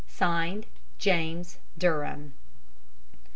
"(Signed) JAMES DURHAM.